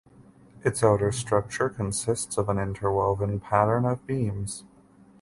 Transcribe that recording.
Its outer structure consists of an interwoven pattern of beams.